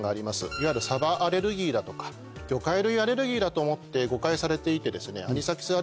いわゆるサバアレルギーだとか魚介類アレルギーだと思って誤解されていて。